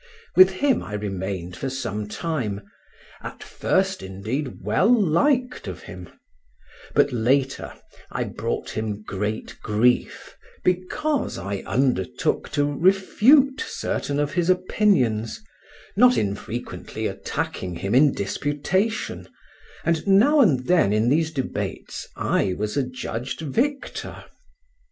With him I remained for some time, at first indeed well liked of him; but later I brought him great grief, because I undertook to refute certain of his opinions, not infrequently attacking him in disputation, and now and then in these debates I was adjudged victor.